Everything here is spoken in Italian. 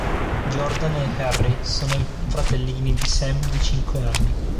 Jordan e Harry: Sono i fratellini di Sam di cinque anni.